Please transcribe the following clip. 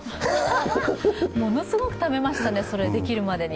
ものすごくためましたね、それができるまでに。